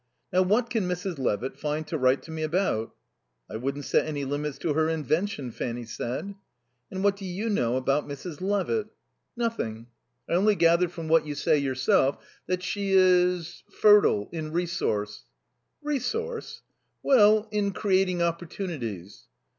"Now what can Mrs. Levitt find to write to me about?" "I wouldn't set any limits to her invention," Fanny said. "And what do you know about Mrs. Levitt?" "Nothing. I only gather from what you say yourself that she is fertile in resource." "Resource?" "Well, in creating opportunities."